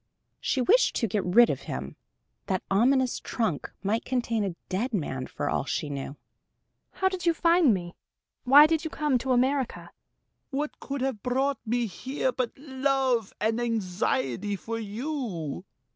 She wished to get rid of him: that ominous trunk might contain a dead man, for all she knew. "How did you find me? Why did you come to America?" "What could have brought me here but love and anxiety for you?"